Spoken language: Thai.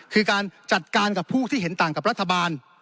คือการจัดการกับผู้ที่เห็นต่างกับรัฐบาล